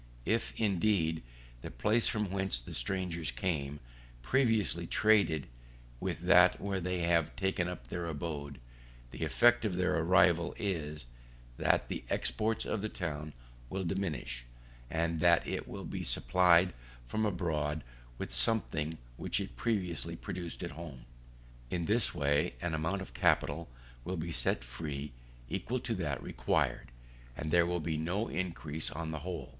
If, indeed, the place from whence the strangers came, previously traded with that where they have taken up their abode, the effect of their arrival is, that the exports of the town will diminish, and that it will be supplied from abroad with something which it previously produced at home. In this way an amount of capital will be set free equal to that required, and there will be no increase on the whole.